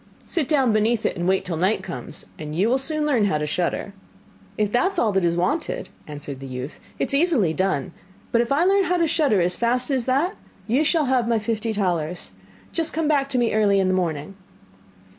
Sit down beneath it, and wait till night comes, and you will soon learn how to shudder.' 'If that is all that is wanted,' answered the youth, 'it is easily done; but if I learn how to shudder as fast as that, you shall have my fifty talers. Just come back to me early in the morning.